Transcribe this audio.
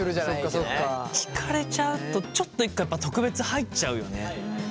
聞かれちゃうとちょっと一回特別入っちゃうよね。